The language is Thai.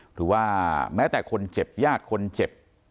หรือว่าแม้แต่คนเจ็บญาติคนเจ็บ